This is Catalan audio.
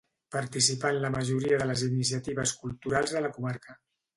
Participà en la majoria de les iniciatives culturals de la comarca.